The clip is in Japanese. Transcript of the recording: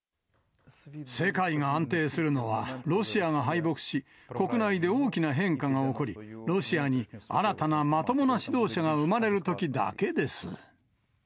世界が安定するのは、ロシアが敗北し、国内で大きな変化が起こり、ロシアに新たなまともな指導者が生まれるときだけです。